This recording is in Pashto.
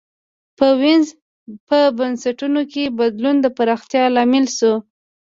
په وینز په بنسټونو کې بدلون د پراختیا لامل شو.